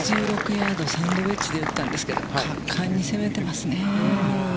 ８６ヤード、サンドウェッジで打ったんですけど、果敢に攻めていますね。